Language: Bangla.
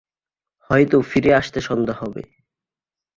হয়তো ফিরে আসতে সন্ধ্যা হবে।